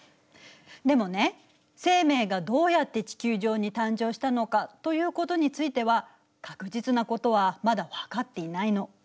でもね生命がどうやって地球上に誕生したのかということについては確実なことはまだ分かっていないの。